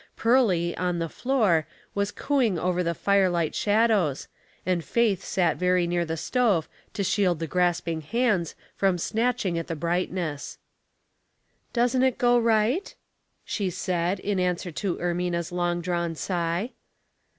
Pearly, on the floor, was cooing over the firelight shad ows, and Faith sat very near the stove to shield the grasping hands from snatching at the bright ness. 20 306 306 Household Puzzles, " Doesn't it go right ?" she said, in answer to Ermina's long drawn sigh.